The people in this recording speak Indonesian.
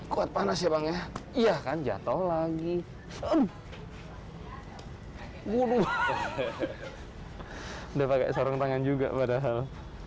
kuat panas ya bang ya iya kan jatuh lagi bunuh udah pakai sarung tangan juga padahal